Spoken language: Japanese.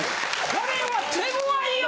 これは手ごわいよ。